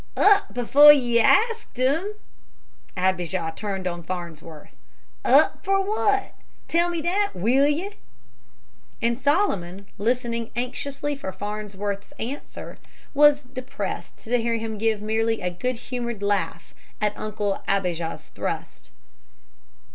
"Up before ye asked him!" Abijah turned on Farnsworth. "Up for what? Tell me that, will ye?" And Solomon, listening anxiously for Farnsworth's answer, was depressed to hear him give merely a good humored laugh at Uncle Abijah's thrust.